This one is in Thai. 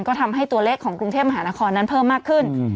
ก็ทำให้ตัวเลขของกรุงเทพมหานครนั้นเพิ่มมากขึ้น